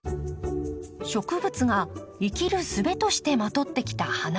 植物が生きるすべとしてまとってきた花の色。